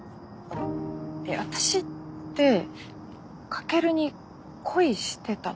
えっ私って翔に恋してたの？